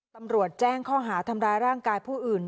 ตำรวจแจ้งข้อหาทำร้ายร่างกายผู้อื่น